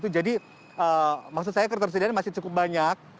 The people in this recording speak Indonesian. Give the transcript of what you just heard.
jadi maksud saya ketersediaan masih cukup banyak